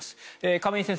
亀井先生